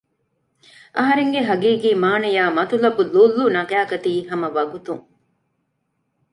އަހަރެންގެ ހަގީގީ މާނަޔާއި މަތުލަބު ލުއްލު ނަގައިގަތީ ހަމަ ވަގުތުން